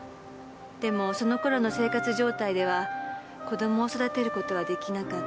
でもその頃の生活状態では子供を育てることはできなかった。